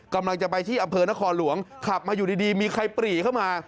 กำลังจะไปที่อำเภอนครหลวงขับมาอยู่ดีมีใครปรีเข้ามา